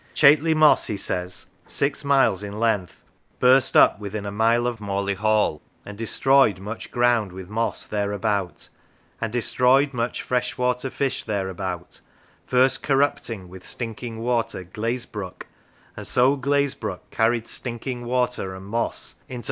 " Chateley moss," he says, " six miles in length, burst up within a mile of Morley Hall, and destroyed much ground with moss thereabout, and destroyed much fresh water fish thereabout, first corrupting with stinking water Glazebrook, and so Glazebrook carried stinking water and moss into Mersey 36 LYTHAM : ON THE EXTREME SOUTHERN SHORE OF THE FYLDE.